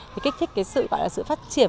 thì kích thích cái sự gọi là sự phát triển